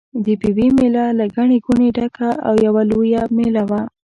د پېوې مېله له ګڼې ګوڼې ډکه یوه لویه مېله وه.